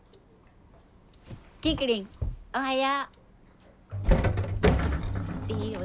キクリンおはよ！